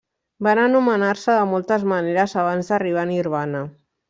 Van anomenar-se de moltes maneres abans d’arribar a Nirvana.